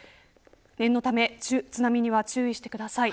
念のため津波には注意してください。